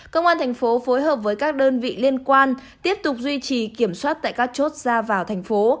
công an thành phố phối hợp với các đơn vị liên quan tiếp tục duy trì kiểm soát tại các chốt ra vào thành phố